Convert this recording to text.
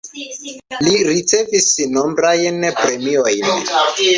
Li ricevis nombrajn premiojn.